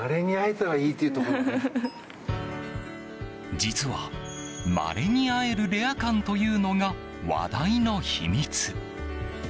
実は、まれに会えるレア感というのが話題の秘密。